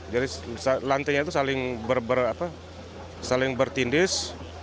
jadi lantainya itu saling bertindis